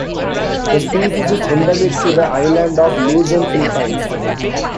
The species is endemic to the island of Luzon, Philippines.